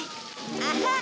アハッ！